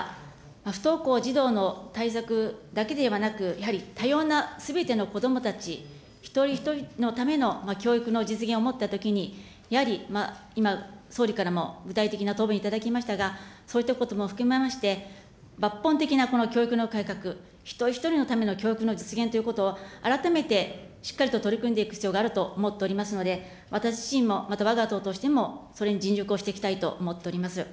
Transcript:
不登校児童の対策だけではなく、やはり多様なすべてのこどもたち一人一人のための教育の実現を思ったときに、やはり今、総理からも具体的な答弁いただきましたが、そういったことも含めまして、抜本的なこの教育の改革、一人一人のための教育の実現ということを、改めてしっかりと取り組んでいく必要があると思っておりますので、私自身も、またわが党としても、それに尽力をしていきたいと思っております。